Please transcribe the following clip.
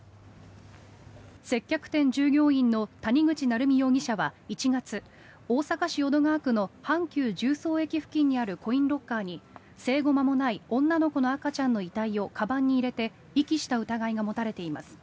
接客店従業員の谷口成美容疑者は１月大阪市淀川区の阪急十三駅付近にあるコインロッカーに生後間もない女の子の赤ちゃんの遺体をかばんに入れて遺棄した疑いが持たれています。